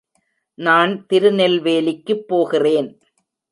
நான் திருநெல்வேலிக்குப் போகிறேன்.